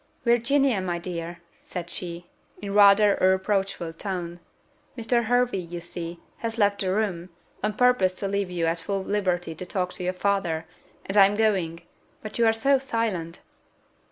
"Virginia, my dear," said she, in rather a reproachful tone, "Mr. Hervey, you see, has left the room, on purpose to leave you at full liberty to talk to your father; and I am going but you are so silent!"